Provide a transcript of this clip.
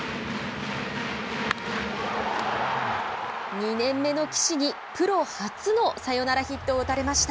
２年目の岸にプロ初のサヨナラヒットを打たれました。